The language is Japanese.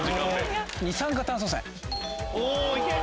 二酸化炭素泉。